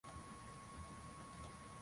Au hata Taifa moja na Taifa jingine